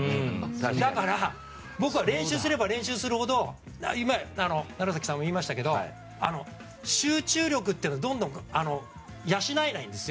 だから僕は練習すれば練習するほど楢崎さんが言いましたけど集中力は養えないんですよ